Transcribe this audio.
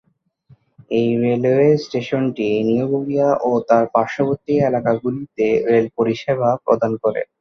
এই রেলওয়ে স্টেশনটি নিউ গড়িয়া ও তার পার্শ্ববর্তী এলাকাগুলিতে রেল পরিষেবা প্রদান করে।